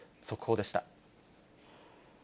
速報でした。